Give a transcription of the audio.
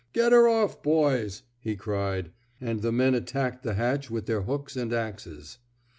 Get her off, boys,*' he cried; and the men at tacked the hatch with their hooks and axes.